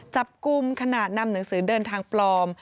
จับกลุ่มขนาดนำหนังสือเดินทางปลอม